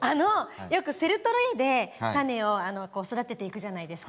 よくセルトレイでタネを育てていくじゃないですか。